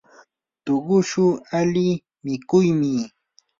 tuqushu ali mikuymi.